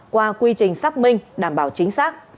qua quy trình xác minh đảm bảo chính xác